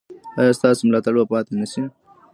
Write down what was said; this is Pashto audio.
ایا ستاسو ملاتړ به پاتې نه شي؟